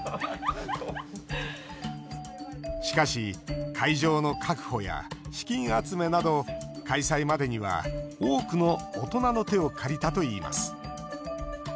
しかし、会場の確保や資金集めなど開催までには多くの大人の手を借りたといいます。